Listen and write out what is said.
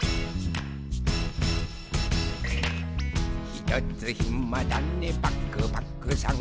「ひとつひまだねパクパクさん」